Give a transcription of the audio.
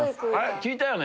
聞いたよね？